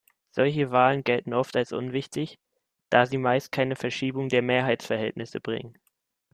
Solche Wahlen gelten oft als unwichtig, da sie meist keine Verschiebung der Mehrheitsverhältnisse bringen.